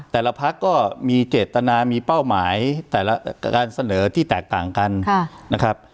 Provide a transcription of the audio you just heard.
แต่ละพักก็มีเจตนามีเป้าหมายแต่ละการเสนอที่แตกต่างกันนะครับ